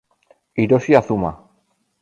Hiroshi Azuma